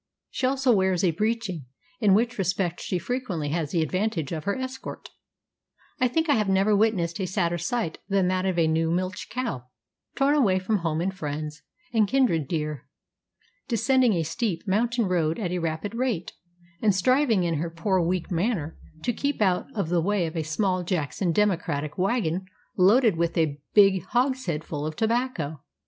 She also wears a breeching, in which respect she frequently has the advantage of her escort. I think I have never witnessed a sadder sight than that of a new milch cow, torn away from home and friends and kindred dear, descending a steep, mountain road at a rapid rate and striving in her poor, weak manner to keep out of the way of a small Jackson Democratic wagon loaded with a big hogshead full of tobacco.